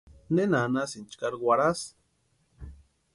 ¿Nena anhasïnki chkari warhasï?